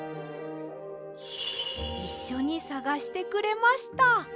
いっしょにさがしてくれました。